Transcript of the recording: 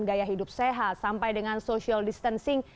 gaya hidup sehat sampai dengan social distancing